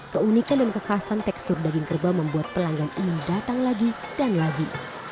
keunikan dan kekhasan tekstur daging kerbau membuat pelanggan ingin datang lagi dan lagi